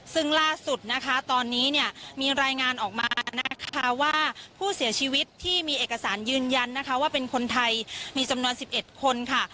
ซึ่งล่าสุดนะคะตอนนี้เนี่ยมีรายงานออกมานะคะว่าผู้เสียชีวิตที่มีเอกสารยืนยันนะคะว่าเป็นคนไทยมีจำนวน๑๑คนค่ะ